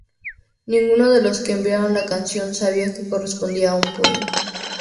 Ninguno de los que enviaron la canción sabía que correspondía a un poema".